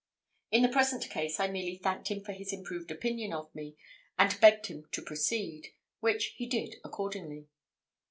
In the present case I merely thanked him for his improved opinion of me, and begged him to proceed, which he did accordingly.